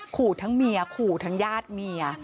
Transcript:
ขู่ทั้งเมียขู่ทั้งญาติเมีย